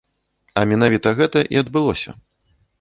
А менавіта гэта і адбылося.